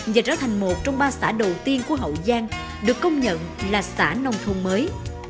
và trở thành một trong ba xã đầu tiên của hậu giang được công nhận là xã nông thôn mới